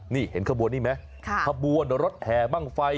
นี่เห็นขบวนนี้ไหมขบวนรถแห่บ้างไฟ